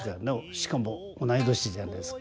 しかもおない年じゃないですか。